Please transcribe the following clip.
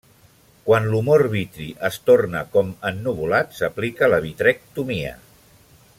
Quan l'humor vitri es torna com ennuvolat, s'aplica la vitrectomia.